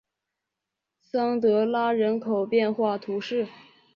桑德拉人口变化图示